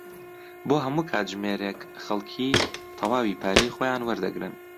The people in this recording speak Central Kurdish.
بۆ هەموو کاتژمێرێک خەڵکی تەواوی پارەی خۆیان وەردەگرن.